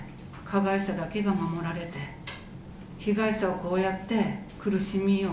加害者だけが守られて、被害者はこうやって、苦しみを、